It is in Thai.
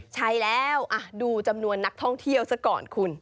ใช่แล้วดูจำนวนนักท่องเที่ยวซะก่อนคุณ